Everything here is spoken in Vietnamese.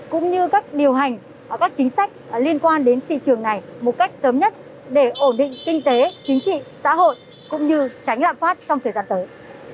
cũng như các điều hành các chính sách liên quan đến thị trường này một cách sớm nhất để ổn định kinh tế chính trị xã hội cũng như tránh lạm phát trong thời gian tới